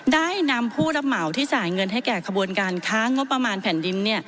ได้นำผู้รับเหมาที่จ่ายเงินให้แก่ขบวนการค้างบประมาณแผ่นดิน